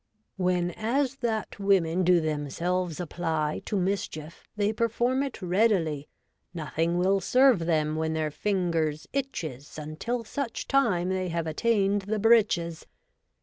' When as that women do themselves apply To mischief, they perform it readily. Nothing will serve them when their fingers itches Until such time they have attained the breeches.